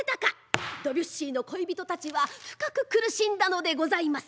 ドビュッシーの恋人たちは深く苦しんだのでございます。